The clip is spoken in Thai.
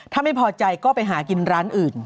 ถ้าไม่พอใจก็ไปหากินร้านอื่น